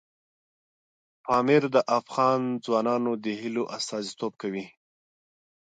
پامیر د افغان ځوانانو د هیلو استازیتوب کوي.